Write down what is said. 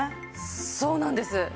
そうなんです。